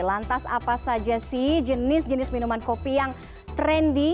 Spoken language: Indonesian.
lantas apa saja sih jenis jenis minuman kopi yang trendy